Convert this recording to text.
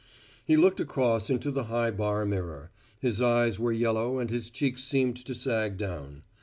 He looked across into the high bar mirror. His eyes were yellow and his cheeks seemed to sag down.